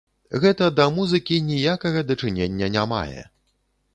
Гэта да музыкі ніякага дачынення не мае!